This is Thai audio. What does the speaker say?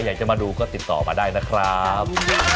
อยากจะมาดูก็ติดต่อมาได้นะครับ